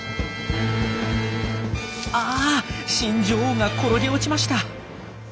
あ新女王が転げ落ちました。